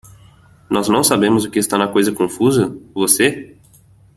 Nós não sabemos o que está na coisa confusa? você?